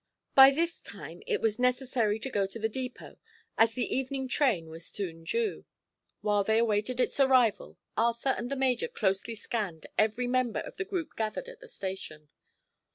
By this time it was necessary to go to the depot, as the evening train was soon due. While they awaited its arrival Arthur and the major closely scanned every member of the group gathered at the station.